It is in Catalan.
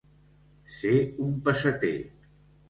Ser un pesseter.